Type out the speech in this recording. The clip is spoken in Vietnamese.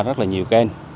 rất nhiều kênh